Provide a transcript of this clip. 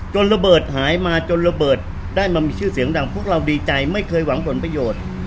ระเบิดหายมาจนระเบิดได้มามีชื่อเสียงดังพวกเราดีใจไม่เคยหวังผลประโยชน์